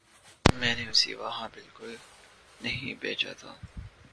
میں نے اسے وہاں بالکل بھی نہیں بھیجا تھا